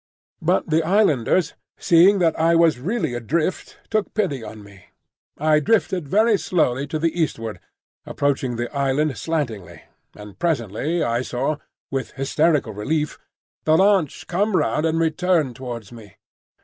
But the islanders, seeing that I was really adrift, took pity on me. I drifted very slowly to the eastward, approaching the island slantingly; and presently I saw, with hysterical relief, the launch come round and return towards me.